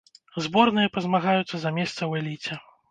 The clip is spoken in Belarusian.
Зборныя пазмагаюцца за месца ў эліце.